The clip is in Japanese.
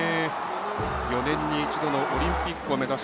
４年に一度のオリンピックを目指す。